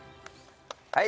はい。